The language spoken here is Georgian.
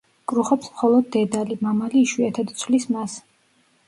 კრუხობს მხოლოდ დედალი, მამალი იშვიათად ცვლის მას.